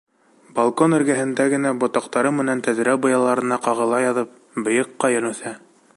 Балкон эргәһендә генә, ботаҡтары менән тәҙрә быялаларына ҡағыла яҙып, бейек ҡайын үҫә.